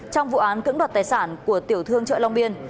trong vụ án cưỡng đoạt tài sản của tiểu thương chợ long biên